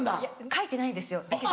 書いてないんですよだけど。